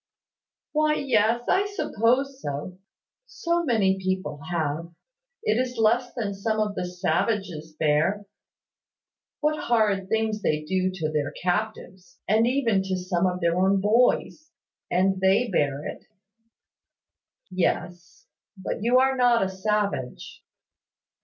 "Why, yes, I suppose so. So many people have. It is less than some of the savages bear. What horrid things they do to their captives, and even to some of their own boys! And they bear it." "Yes; but you are not a savage."